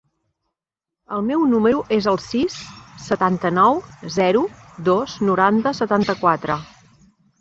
El meu número es el sis, setanta-nou, zero, dos, noranta, setanta-quatre.